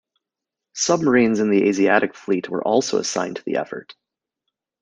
Submarines of the Asiatic Fleet were also assigned to the effort.